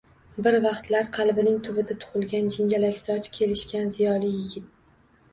Bir vaqtlar qalbining tubida tugʼilgan jingalak soch, kelishgan ziyoli yigit